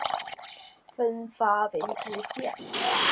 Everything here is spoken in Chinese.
分发为知县。